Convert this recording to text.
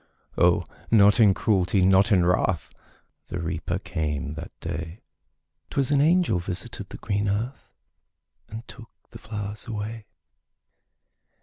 O, not in cruelty, not in wrath, The Reaper came that day; 'Twas an angel visited the green earth, And took the flowers away.